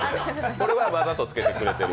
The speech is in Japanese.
これはわざとつけてくれてる。